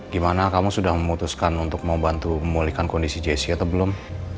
gimana kamu sudah memutuskan untuk mau bantu memulihkan kondisi jessi atau belum